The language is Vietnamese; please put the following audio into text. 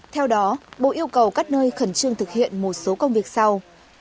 theo đó bộ yêu cầu các nơi khẩn trương thực hiện một số công việc sau